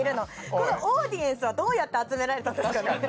このオーディエンスはどうやって集められたんですかね。